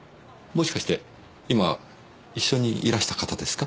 もしかして今一緒にいらした方ですか？